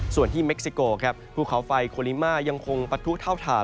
ส่วนที่เม็กซิโกครับภูเขาไฟโคลิมายังคงปะทุเท่าฐาน